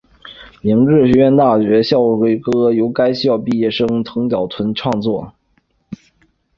明治学院大学的校歌由该校毕业生岛崎藤村创作。